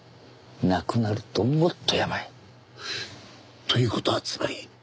なくなるともっとやばい。という事はつまり。